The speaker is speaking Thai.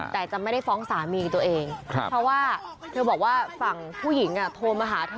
แต่จะไม่ได้ฟ้องสามีตัวเองเพราะว่าเธอบอกว่าฝั่งผู้หญิงโทรมาหาเธอ